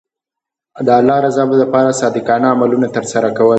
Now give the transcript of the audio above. د الله رضا لپاره د صادقانه عملونو ترسره کول.